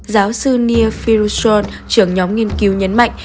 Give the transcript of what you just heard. giáo sư neil firushon trưởng nhóm nghiên cứu nhấn mạnh